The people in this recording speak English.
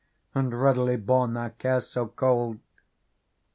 And readily borne our cares so cold.